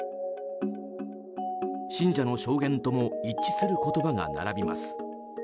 信者の証言とも一致する言葉が並びます。